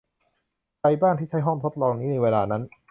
ใครบ้างที่ใช้ห้องทดลองนี้ในเวลานั้น